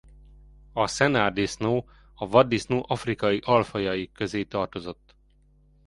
A szennár-disznó a vaddisznó afrikai alfajai közé tartozott.